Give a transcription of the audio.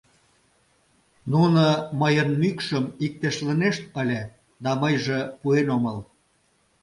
— Нуно мыйын мӱкшым иктешлынешт ыле, да мыйже пуэн омыл.